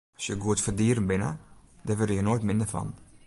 As je goed foar dieren binne, dêr wurde je noait minder fan.